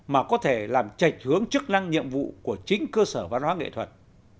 mà có thể làm trạch hướng chức năng nhiệm vụ của chính cơ sở văn hóa nghệ thuật